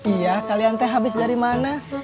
iya kalian teh habis dari mana